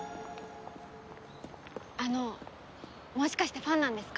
あのもしかしてファンなんですか？